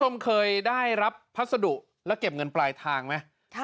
คุณผู้ชมเคยได้รับพัสดุและเก็บเงินปลายทางไหม